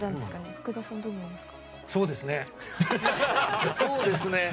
福田さん、どう思いますか？